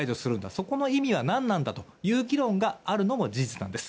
そこの意味は何なんだという議論があるのも事実なんです。